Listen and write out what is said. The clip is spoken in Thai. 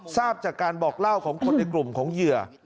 ทราบจากการบอกเล่าของคนในกลุ่มของเหยื่อ